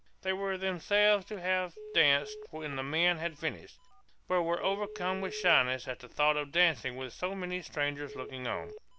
They were themselves to have danced when the men had finished, but were overcome with shyness at the thought of dancing with so many strangers looking on.